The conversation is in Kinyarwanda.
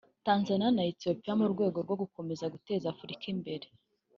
Tanzania na Ethiopia mu rwego rwo gukomeza guteza Afurika imbere